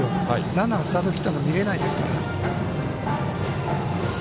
ランナーがスタート切ったの見えないですから。